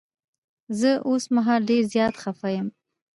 زه اوس مهال ډير زيات خفه یم.